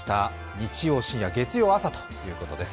日曜深夜、月曜朝ということです。